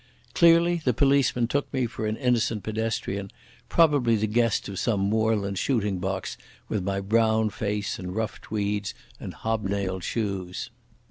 Clearly the policeman took me for an innocent pedestrian, probably the guest of some moorland shooting box, with my brown face and rough tweeds and hobnailed shoes.